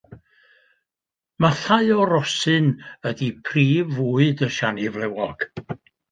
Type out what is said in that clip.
Mathau o rosyn ydy prif fwyd y siani flewog.